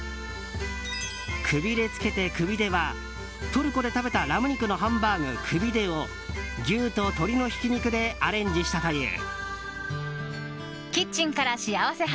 くびれつけてクビデはトルコで食べたラム肉のハンバーグクビデを牛と鶏肉のひき肉でアレンジしたという。